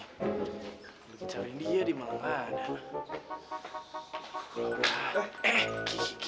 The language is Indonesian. lagi cari dia di malang malang